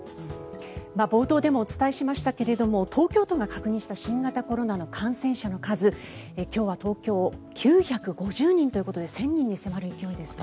冒頭でもお伝えしましたが東京都が確認した新型コロナの感染者の数今日は東京９５０人ということで１０００人に迫る勢いですね。